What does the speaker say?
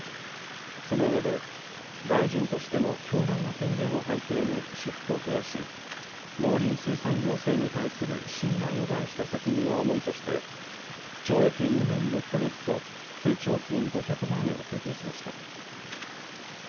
そのうえで大臣としての強大な権限を背景に私腹を肥やし農林水産行政に対する信頼を害した責任は重いとして懲役２年６か月と追徴金５００万円を求刑しました。